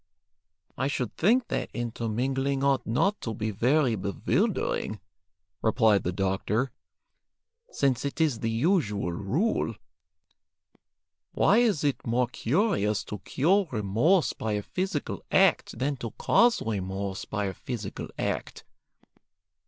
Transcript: "I should think that intermingling ought not to be very bewildering," replied the doctor, "since it is the usual rule. Why is it more curious to cure remorse by a physical act than to cause remorse by a physical act?